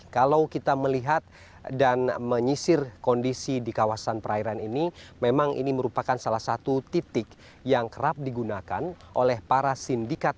kalau kita melihat dan menyisir kondisi di kawasan perairan ini memang ini merupakan salah satu titik yang kerap digunakan oleh para sindikat